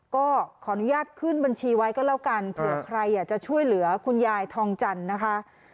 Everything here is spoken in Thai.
ก็ขออนุญาตขึ้นบัญชีไว้ก็แล้วกันเผื่อใครอยากจะช่วยเหลือคุณยายทองจันทร์นะคะ